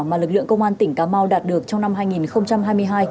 mà lực lượng công an tỉnh cà mau đạt được trong năm hai nghìn hai mươi hai